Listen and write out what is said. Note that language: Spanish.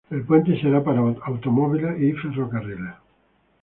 El puente será para automóviles y ferrocarriles.